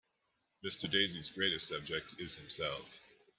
Mr. Daisey's greatest subject is himself.